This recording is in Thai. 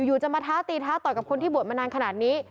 จะมาท้าตีท้าต่อยกับคนที่บวชมานานขนาดนี้